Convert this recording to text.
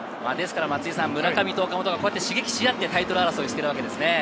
村上と岡本は刺激し合ってタイトル争いをしているわけですね。